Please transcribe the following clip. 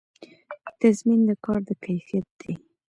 تضمین د کار د کیفیت دی